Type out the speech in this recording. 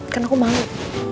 kan aku mau